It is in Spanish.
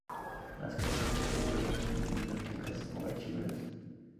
Las carpetas se guardan en bibliotecas o archiveros.